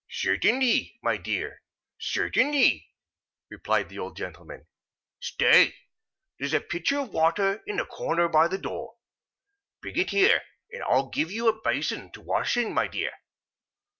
"Certainly, my dear, certainly," replied the old gentleman. "Stay. There's a pitcher of water in the corner by the door. Bring it here; and I'll give you a basin to wash in, my dear."